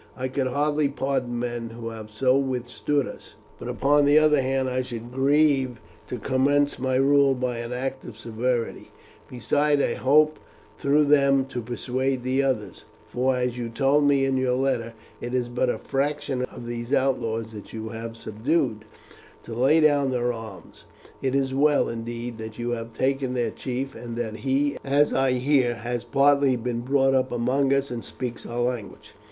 I could hardly pardon men who have so withstood us, but, upon the other hand, I should grieve to commence my rule by an act of severity; besides, I hope through them to persuade the others for, as you told me in your letter, it is but a fraction of these outlaws that you have subdued to lay down their arms. It is well, indeed, that you have taken their chief, and that he, as I hear, has partly been brought up among us and speaks our language."